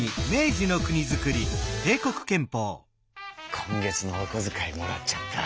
今月のおこづかいもらっちゃった！